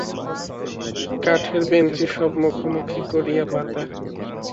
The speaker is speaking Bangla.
কাঠের বেঞ্চি সব মুখোমুখি করিয়া পাতা।